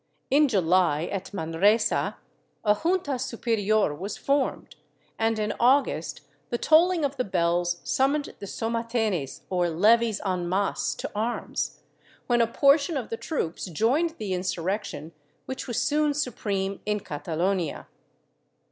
In July, at Manresa, a Junta superior was formed, and in August the tolling of the bells summoned the somatenes or levies en masse to arms, when a portion of the troops joined the insurrection, which w^as soon supreme in Catalonia.